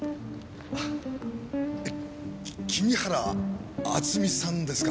き君原敦美さんですか？